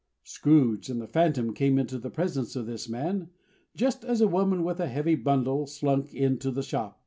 Scrooge and the Phantom came into the presence of this man, just as a woman with a heavy bundle slunk into the shop.